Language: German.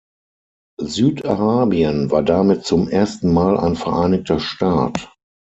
Süd-Arabien war damit zum ersten Mal ein vereinigter Staat.